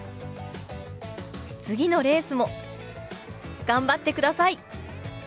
次のレースも頑張ってください！